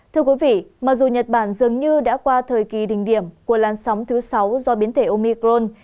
thưa quý vị mặc dù nhật bản dường như đã qua thời kỳ đỉnh điểm của làn sóng thứ sáu do biến thể omicron